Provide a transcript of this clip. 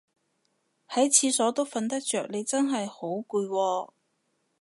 喺廁所都瞓得着你都真係好攰喎